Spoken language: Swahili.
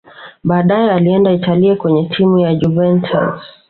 baadaye alienda italia kwenye timu ya juventus